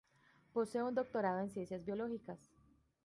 Posee un Doctorado en Ciencias Biológicas.